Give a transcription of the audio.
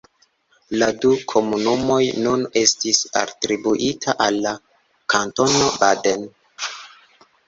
La du komunumoj nun estis atribuita al la Kantono Baden.